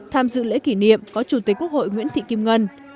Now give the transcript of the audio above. tham dự lễ kỷ niệm có chủ tịch quốc hội nguyễn thị kim ngân